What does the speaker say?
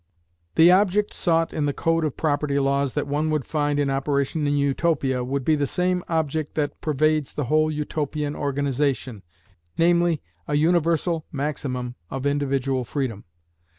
The object sought in the code of property laws that one would find in operation in Utopia would be the same object that pervades the whole Utopian organisation, namely, a universal maximum of individual freedom.